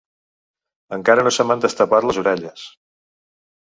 Encara no se m'han destapat les orelles.